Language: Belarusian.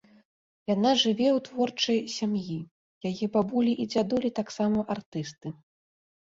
Яна жыве ў творчай сям'і, яе бабулі і дзядулі таксама артысты.